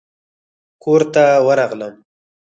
کورته ورغلم.